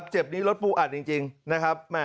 เจ็บนี้รถปูอัดจริงนะครับ